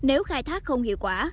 nếu khai thác không hiệu quả